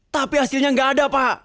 tapi hasilnya nggak ada pak